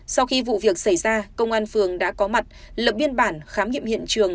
sau khi vụ việc xảy ra công an phường đã có mặt lập biên bản khám nghiệm hiện trường